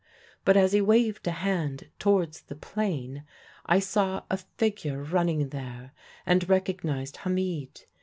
But as he waved a hand towards the plain I saw a figure running there, and recognised Hamid.